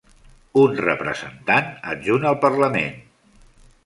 Un representant adjunt al parlament.